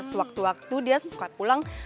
sewaktu waktu dia sempat pulang